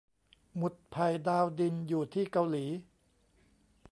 หมุดไผ่ดาวดินอยู่ที่เกาหลี